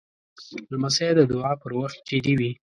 لمسی د دعا پر وخت جدي وي.